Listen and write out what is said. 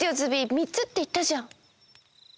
３つっていったじゃん。